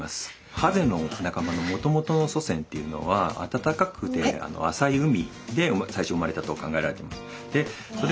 ハゼの仲間のもともとの祖先っていうのはあたたかくて浅い海で最初生まれたと考えられています。